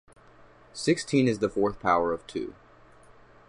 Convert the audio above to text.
Sixteen is the fourth power of two.